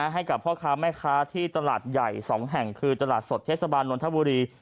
ให้กับพ่อค้าแม่ค้าที่ตลาดใหญ่๒แห่งคือตลาดสดเทศบาลนนทบุรี